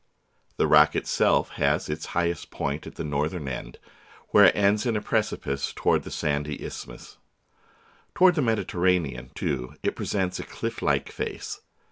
The rock itself has its highest point at the northern end, where it ends in a precipice toward the sandy isthmus. Toward the Mediterranean, too, it presents a cliff like face.